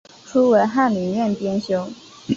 初为翰林院编修。